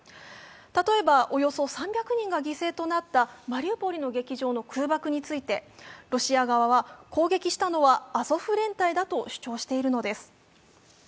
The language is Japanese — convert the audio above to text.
例えばおよそ３００人が犠牲となったマリウポリの劇場の空爆についてロシア側は攻撃したのはアゾフ連隊だと主張しているのです。